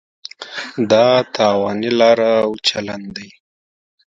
دا تاواني لاره او چلن دی.